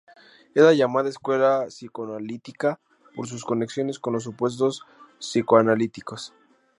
Es la llamada Escuela Psicoanalítica por sus conexiones con los supuestos psicoanalíticos.